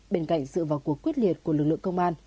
để dựa vào cuộc quyết liệt của lực lượng công an